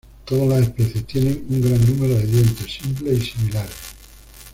Todas las especies tienen un gran número de dientes simples y similares.